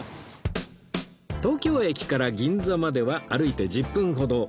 東京駅から銀座までは歩いて１０分ほど